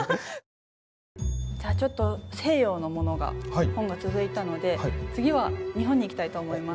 じゃあちょっと西洋のものが本が続いたので次は日本に行きたいと思います。